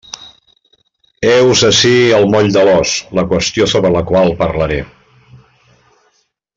Heus ací el moll de l'os, la qüestió sobre la qual parlaré.